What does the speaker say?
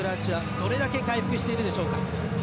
どれだけ回復しているでしょうか。